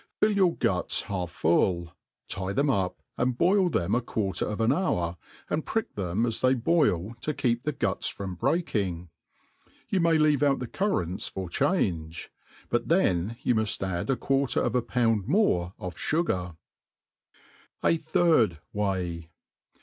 Fill your guts half fuIL tie tliem up, and boil them a quarter of an hour, and pricic them as they boil to keep the guts from breaking. You ma^ leave out the currants for change ; but then you muft add t quarter of a pound mote of fugar. A thirk Way.